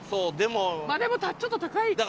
まぁでもちょっと高いか。